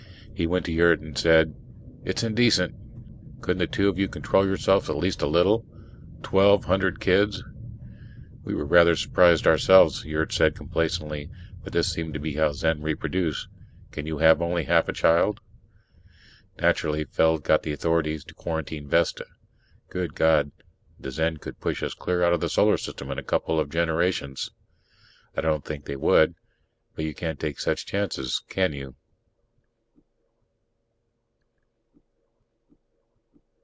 He went to Yurt and said, "It's indecent! Couldn't the two of you control yourselves at least a little? Twelve hundred kids!" "We were rather surprised ourselves," Yurt said complacently. "But this seems to be how Zen reproduce. Can you have only half a child?" Naturally, Feld got the authorities to quarantine Vesta. Good God, the Zen could push us clear out of the Solar System in a couple of generations! I don't think they would, but you can't take such chances, can you?